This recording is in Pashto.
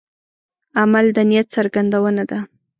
عمل د نیت څرګندونه ده.